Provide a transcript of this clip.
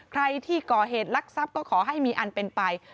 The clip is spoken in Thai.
ใครที่ก่อเหตุลักษัพก็ขอให้มีอันเป็นไป